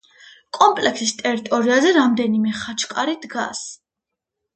კომპლექსის ტერიტორიაზე რამდენიმე ხაჩკარი დგას.